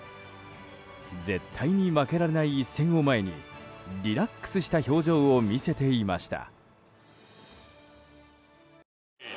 絶対に負けられない一戦を前にリラックスした表情を見せていました。